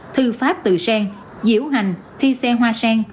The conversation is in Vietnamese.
thư pháp tự sen diễu hành thi xe hoa sen